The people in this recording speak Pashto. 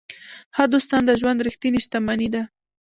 ښه دوستان د ژوند ریښتینې شتمني ده.